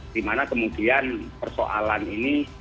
di mana kemudian persoalan ini